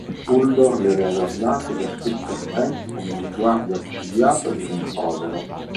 Uldor li aveva guardati per tutto il tempo con uno sguardo accigliato di rimprovero.